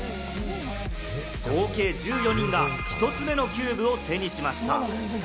合計１４人が１つ目のキューブを手にしました。